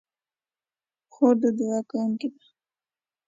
خور د دعا کوونکې ده.